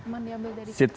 man diambil dari situ